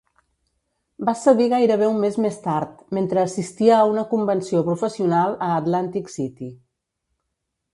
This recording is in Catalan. Va cedir gairebé un mes més tard, mentre assistia a una convenció professional a Atlantic City.